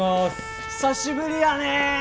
久しぶりやねえ！